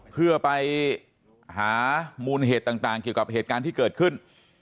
เพื่อไปหามูลเหตุต่างเกี่ยวกับเหตุการณ์ที่เกิดขึ้น